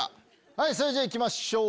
はいそれじゃあいきましょう。